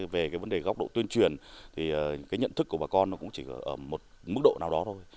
về cái vấn đề góc độ tuyên truyền thì cái nhận thức của bà con nó cũng chỉ ở một mức độ nào đó thôi